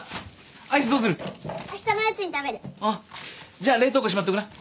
あっじゃ冷凍庫しまっとくな。